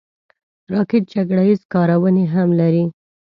راکټ جګړه ییز کارونې هم لري